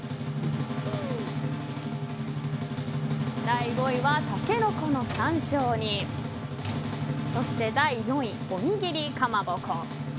第５位は、たけのこの山椒煮。そして第４位、おにぎりかまぼこ。